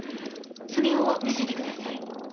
爪を見せてください。